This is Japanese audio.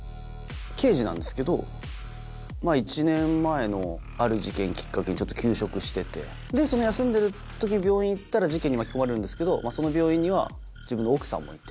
刑事なんですけど１年前のある事件きっかけにちょっと休職しててその休んでる時に病院行ったら事件に巻き込まれるんですけどその病院には自分の奥さんもいて。